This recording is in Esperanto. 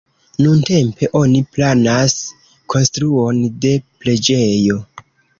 Nuntempe oni planas konstruon de preĝejo.